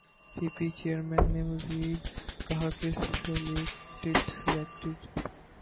پی P chairman نے مزید کہا کہ سلیکٹڈ